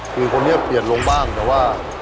คือคนนี้เปลี่ยนลงบ้างแต่ว่า